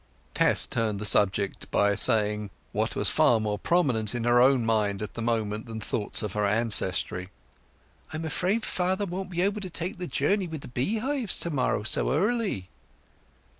Tess turned the subject by saying what was far more prominent in her own mind at the moment than thoughts of her ancestry—"I am afraid father won't be able to take the journey with the beehives to morrow so early."